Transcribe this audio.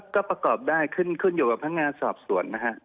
ก็ประกอบได้ขึ้นอยู่กับพงสอบส่วน